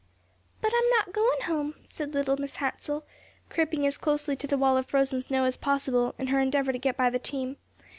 "But I'm not going home," said little Mrs. Hansell, creeping as closely to the wall of frozen snow as possible, in her endeavor to get by the team.